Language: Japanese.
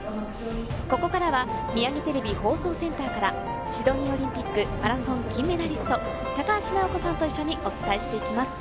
ここからはミヤギテレビ放送センターからシドニーオリンピックマラソン金メダリスト・高橋尚子さんと一緒にお伝えしていきます。